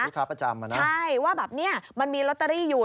ลูกค้าประจำเหรอนะใช่ว่าแบบนี่มันมีลอตเตอรี่อยู่